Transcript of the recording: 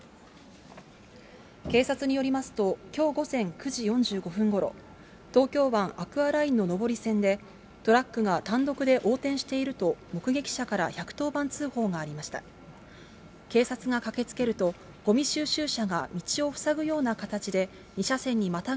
警察によりますと、きょう午前９時４５分ごろ、東京湾アクアラインの上り線で、トラックが単独で横転していると、目撃者から１１０番通報がありました。